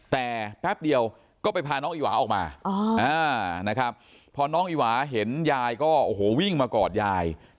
แต่แป๊บเดียวก็ไปพาน้องอิหวาออกมาพอน้องอิหวาเห็นยายก็วิ่งมากอดยาย